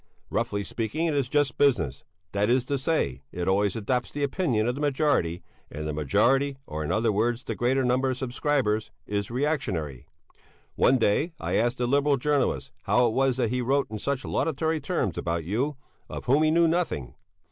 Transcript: Roughly speaking it is just business, that is to say, it always adopts the opinion of the majority, and the majority, or, in other words, the greater number of subscribers, is reactionary. One day I asked a Liberal journalist how it was that he wrote in such laudatory terms about you, of whom he knew nothing.